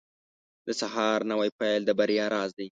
• د سهار نوی پیل د بریا راز دی.